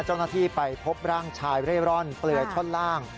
เจ้าหน้าที่ไปพบร่างชายเร่ร่อนเปลือยท่อนล่าง